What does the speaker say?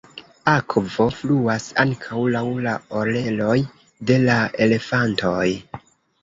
Akvo fluas ankaŭ laŭ la oreloj de la elefantoj.